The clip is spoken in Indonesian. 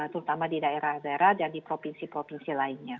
terutama di daerah daerah dan di provinsi provinsi lainnya